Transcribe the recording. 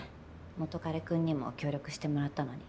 元彼くんにも協力してもらったのに。